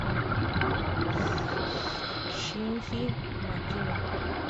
Shinji Makino